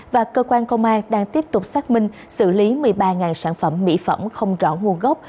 và cơ quan công an đang tiếp tục xác minh xử lý một mươi ba sản phẩm mỹ phẩm không rõ nguồn gốc